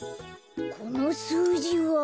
このすうじは。